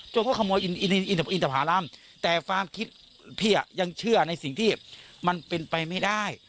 โจรก็ขโมยอินอินอินอินอินตภารมณ์แต่ความคิดพี่อ่ะยังเชื่อในสิ่งที่มันเป็นไปไม่ได้